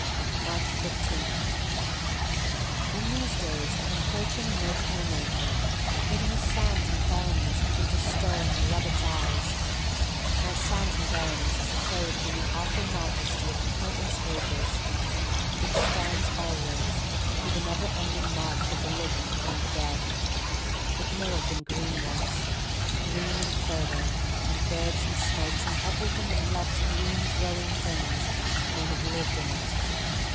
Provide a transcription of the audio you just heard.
804 Aarcb 15. IN THESE days of approaching emotional Nature even the sand and barrenness begins to stir and rub its eyes. My sand and barrenness is clothed in the awful majesty of countless ages. It stands always through the never ending march of the living and the dead. It may have been green once — green and fertile, and birds and snakes and everything that loves green grow ing things may have lived in it.